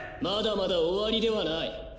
まだまだ終わりではない。